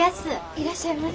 いらっしゃいませ。